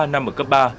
ba năm ở cấp ba